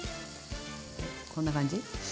こんな感じ。